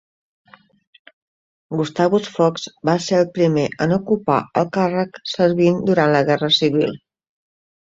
Gustavus Fox va ser el primer en ocupar el càrrec, servint durant la Guerra Civil.